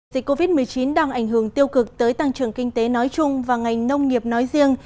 dịch covid một mươi chín đang ảnh hưởng tiêu cực tới tăng trưởng kinh tế nói chung và ngành nông nghiệp nói riêng